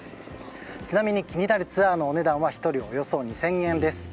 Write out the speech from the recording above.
ちなみに気になるツアーのお値段は１人およそ２０００円です。